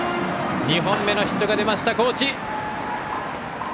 ２本目のヒットが出ました、高知。